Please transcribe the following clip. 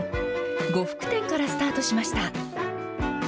呉服店からスタートしました。